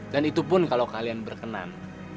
dan itu pun kalau kalian berkenan